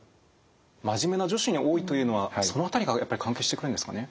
真面目な女子に多いというのはその辺りがやっぱり関係してくるんですかね？